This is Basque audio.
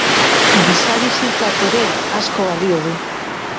Giza bizitzak ere asko balio du.